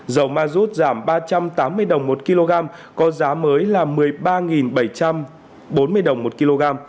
dầu ma rút giảm ba trăm tám mươi đồng một kg có giá mới là một mươi ba bảy trăm bốn mươi đồng một kg